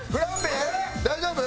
大丈夫？